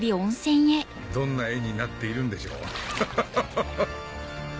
どんな画になっているんでしょうハハハ！